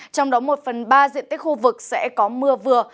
trong đó một phần ba diện tích khu vực sẽ có mưa vừa